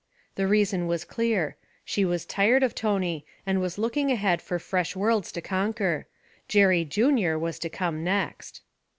The reason was clear; she was tired of Tony and was looking ahead for fresh worlds to conquer. Jerry Junior was to come next.